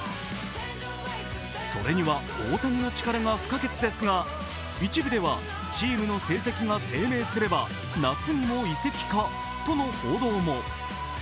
それには大谷の力が不可欠ですが一部ではチームの成績が低迷すれば夏にも移籍かとの報道も。